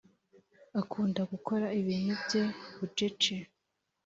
Akunda gukora ibintu bye bucece